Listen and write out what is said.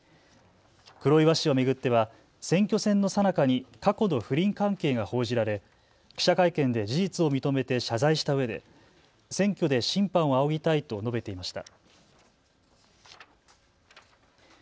黒岩氏を巡っては、選挙戦のさなかに過去の不倫関係が報じられ、記者会見で事実を認めて謝罪した上で、選挙で審判を仰ぎたいと述べていました。